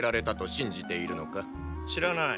知らない。